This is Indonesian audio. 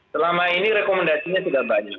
selama ini rekomendasinya sudah banyak